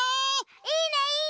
いいねいいね！